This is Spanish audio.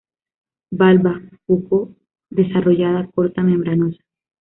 Valva poco desarrollada, corta, membranosa.